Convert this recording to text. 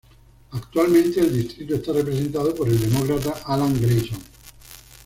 Actualmente el distrito está representado por el Demócrata Alan Grayson.